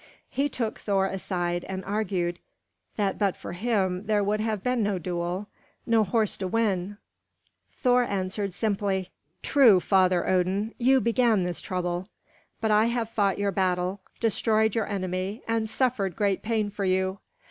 He took Thor aside and argued that but for him there would have been no duel, no horse to win. Thor answered simply, "True, Father Odin, you began this trouble. But I have fought your battle, destroyed your enemy, and suffered great pain for you.